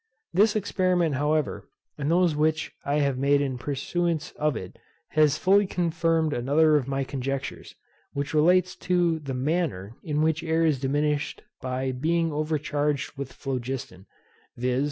This experiment, however, and those which I have made in pursuance of it, has fully confirmed another of my conjectures, which relates to the manner in which air is diminished by being overcharged with phlogiston, viz.